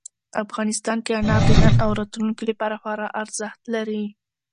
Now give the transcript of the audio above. افغانستان کې انار د نن او راتلونکي لپاره خورا ارزښت لري.